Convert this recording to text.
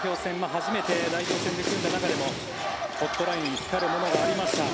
初めて代表戦で組んだ中でもホットライン光るものがありました。